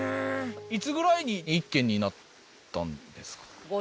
いつぐらいに１軒になったんですか？